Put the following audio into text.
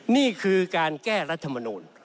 นี่คือการแก้รัฐมนูล